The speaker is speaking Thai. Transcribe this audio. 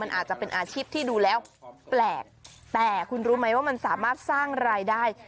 อาจจะเป็นอาชีพที่ดูแล้วแปลกแต่คุณรู้ไหมว่ามันสามารถสร้างรายได้